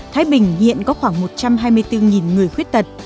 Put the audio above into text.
thái bình hiện có khoảng một trăm hai mươi bốn người khuyết tật